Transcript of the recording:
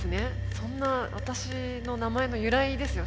そんな私の名前の由来ですよ